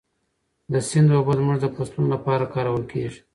د سیند اوبه زموږ د فصلونو لپاره کارول کېږي.